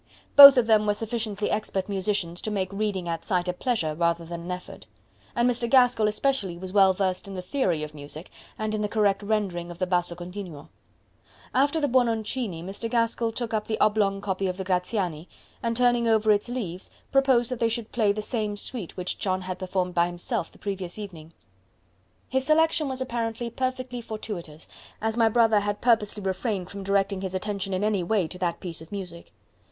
Both of them were sufficiently expert musicians to make reading at sight a pleasure rather than an effort; and Mr. Gaskell especially was well versed in the theory of music, and in the correct rendering of the basso continuo. After the Buononcini Mr. Gaskell took up the oblong copy of Graziani, and turning over its leaves, proposed that they should play the same suite which John had performed by himself the previous evening. His selection was apparently perfectly fortuitous, as my brother had purposely refrained from directing his attention in any way to that piece of music.